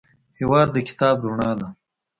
هېواد د کتاب رڼا ده.